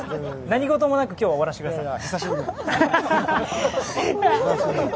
何事もなく今日終わらせてください。